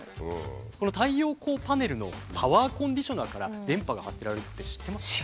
この太陽光パネルのパワーコンディショナーから電波が発せられるって知ってました？